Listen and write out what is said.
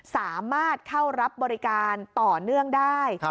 สามารถเข้ารับบริการต่อเนื่องได้